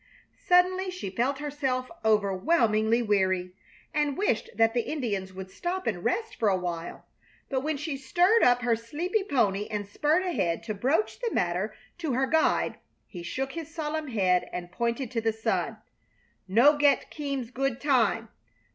Suddenly she felt herself overwhelmingly weary, and wished that the Indians would stop and rest for a while; but when she stirred up her sleepy pony and spurred ahead to broach the matter to her guide he shook his solemn head and pointed to the sun: "No get Keams good time.